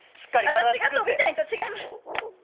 私が飛びたいんと違います。